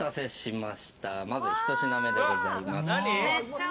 まずひと品目でございます。